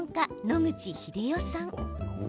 野口英世さん。